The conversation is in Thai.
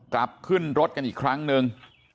กลับขึ้นรถกันอีกครั้งหนึ่ง